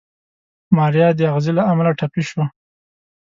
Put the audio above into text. ماريا د اغزي له امله ټپي شوه.